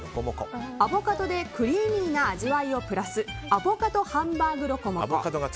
アボカドでクリーミーな味わいをプラスアボカドハンバーグロコモコ。